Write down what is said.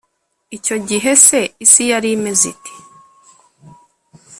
icyo gihe se, isi yari imeze ite?